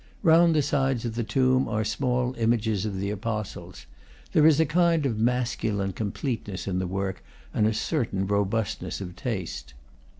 Round the sides of the tomb are small images of the apostles. There is a kind of masculine completeness in the work, and a certain robustness of taste.